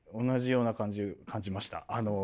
同じような感じ感じました。